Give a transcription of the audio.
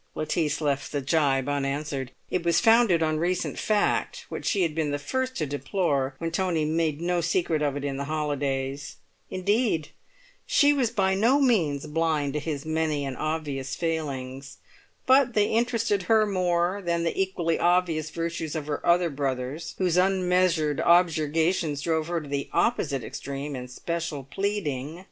Lettice left the gibe unanswered. It was founded on recent fact which she had been the first to deplore when Tony made no secret of it in the holidays; indeed, she was by no means blind to his many and obvious failings; but they interested her more than the equally obvious virtues of her other brothers, whose unmeasured objurgations drove her to the opposite extreme in special pleading.